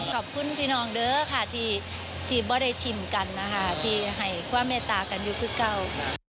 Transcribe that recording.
ขอบคุณพี่น้องได้ค่ะที่บ่ได้ทิมกันที่ไห่ความเมตากันอยู่ขึ้นเกิด